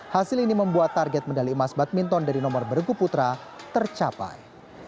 hasil ini membuat target medali emas badminton dari nomor bergu putra tercapai